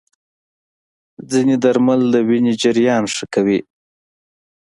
ځینې درمل د وینې جریان ښه کوي.